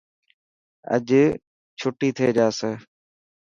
اڄ چوٽي ٿي جاسي.